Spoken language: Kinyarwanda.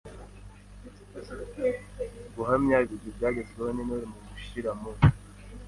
guhamya ibigwi byagezweho n’Intore mu gushyira mu